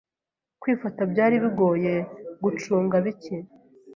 Kwifata byari bigoye gucunga bike